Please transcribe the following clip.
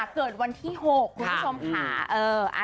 เกิดวันที่๖คุณผู้ชมค่ะ